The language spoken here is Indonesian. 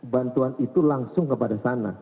bantuan itu langsung kepada sana